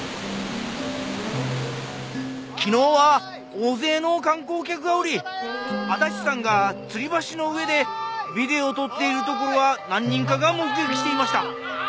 昨日は大勢の観光客がおり足立さんが吊り橋の上でビデオ撮っているところは何人かが目撃していました。